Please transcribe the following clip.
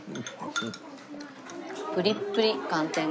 プリップリ寒天が。